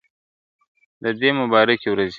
د دې مبارکې ورځي !.